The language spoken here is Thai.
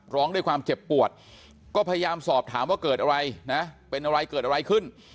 ร้องด้วยความเจ็บปวดก็พยายามสอบถามว่าเกิดอะไรนะเป็นอะไรเกิดอะไรขึ้น